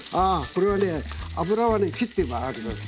これは油はねきってあります。